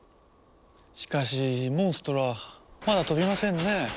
しかしモンストロはまだ飛びませんね。